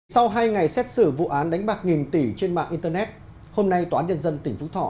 sau hai ngày xét xử vụ án đánh bạc nghìn tỷ trên mạng internet hôm nay tòa án nhân dân tỉnh phú thọ